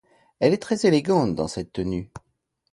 Elle est très élégante dans cette tenue.